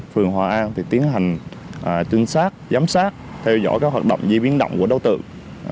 phường hòa an tiến hành trinh sát giám sát theo dõi các hoạt động di biến động của đối tượng